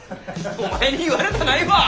お前に言われたないわ！